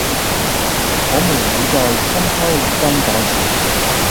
我們會在公開錄音檔前